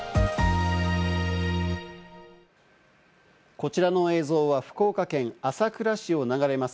こちらの映像は福岡県朝倉市を流れます